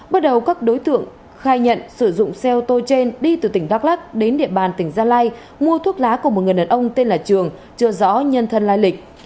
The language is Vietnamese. bước đầu các đối tượng khai nhận sử dụng xe ô tô trên đi từ tỉnh đắk lắc đến địa bàn tỉnh gia lai mua thuốc lá của một người đàn ông tên là trường chưa rõ nhân thân lai lịch